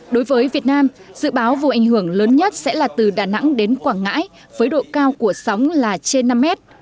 đối với việt nam dự báo vụ ảnh hưởng lớn nhất sẽ là từ đà nẵng đến quảng ngãi với độ cao của sóng là trên năm mét